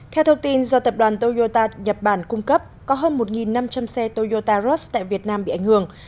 theo thông tin do tập đoàn toyota nhật bản cung cấp có hơn một năm trăm linh xe toyota rush tại việt nam bị ảnh hưởng